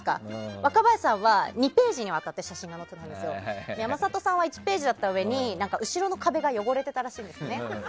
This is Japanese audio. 若林さんは２ページにわたって写真が載ってて山里さんは１ページだったうえに後ろの壁が汚れてたらしいんですね。